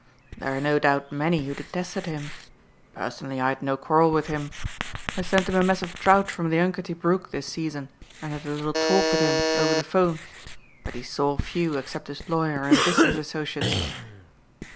There are no doubt many who detested him. Personally I had no quarrel with him. I sent him a mess of trout from the Unkety brook this season and had a little talk with him over the phone but he saw few except his lawyer and business associates."